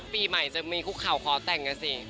ปีใหม่จะมีคุกเข่าขอแต่งกันสิ